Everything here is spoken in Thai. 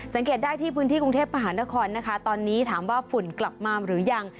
สังเกตได้ที่พื้นที่กรุงเทพมหานครนะคะตอนนี้ถามว่าฝุ่นกลับมาหรือยัง